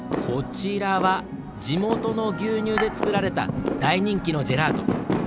こちらは地元の牛乳で作られた大人気のジェラート。